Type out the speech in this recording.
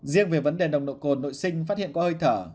riêng về vấn đề nồng độ cồn nội sinh phát hiện có hơi thở